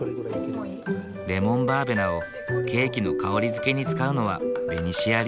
レモンバーベナをケーキの香りづけに使うのはベニシア流。